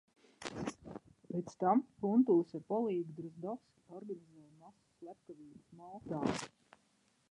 Pēc tam Puntulis ar palīgu Drozdovski organizēja masu slepkavības Maltā.